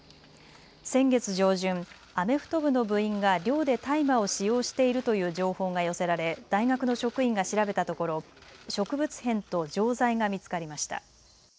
先月上旬、アメフト部の部員が寮で大麻を使用しているという情報が寄せられ大学の職員が調べたところ植物片と錠剤が見つかりました。